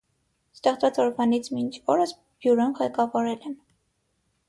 Ստեղծված օրվանից մինչ օրս բյուրոն ղեկավարել են։